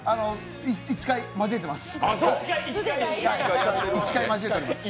１回交えてます。